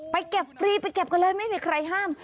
ไปเก็บฟรีไปเก็บกันเลยไม่มีใครห้าม